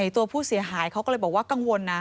ตัวผู้เสียหายเขาก็เลยบอกว่ากังวลนะ